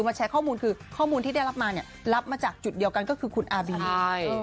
แชร์ข้อมูลคือข้อมูลที่ได้รับมาเนี่ยรับมาจากจุดเดียวกันก็คือคุณอาบิน